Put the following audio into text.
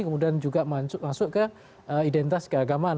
kemudian juga masuk ke identitas keagamaan